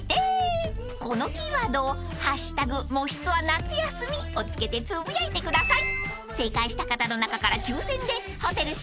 ［このキーワードを「＃もしツア夏休み」を付けてつぶやいてください］